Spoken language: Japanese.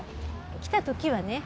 来た時はね。